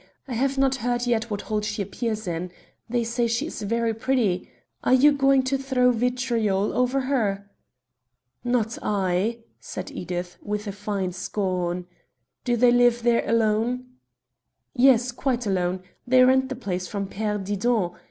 I have not heard yet what hall she appears in. They say she is very pretty. Are you going to throw vitriol over her?" "Not I," said Edith, with a fine scorn. "Do they live there alone?" "Yes, quite alone. They rent the place from Père Didon.